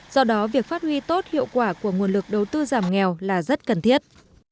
do đó việc phát huy tốt hiệu quả của nguồn lực đầu tư giảm nghèo là rất cần thiết